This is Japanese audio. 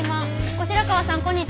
後白河さんこんにちは。